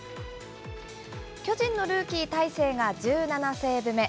巨人のルーキー、大勢が１７セーブ目。